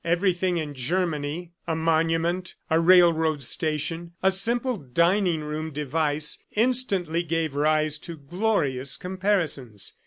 Everything in Germany a monument, a railroad station, a simple dining room device, instantly gave rise to glorious comparisons.